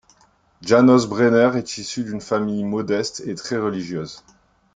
Janos Brenner est issu d'une famille modeste et très religieuse.